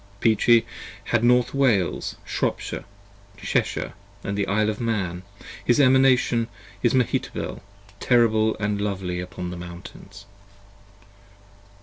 30 Peachey had North Wales, Shropshire, Cheshire & the Isle of Man, His Emanation is Mehetabel, terrible & lovely upon the Mountains.